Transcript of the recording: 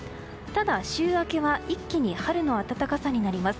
ただ、週明けは一気に春の暖かさになります。